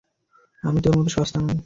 আমি তোর মত সস্তা নই।